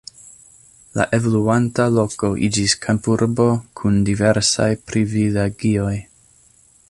La evoluanta loko iĝis kampurbo kun diversaj privilegioj.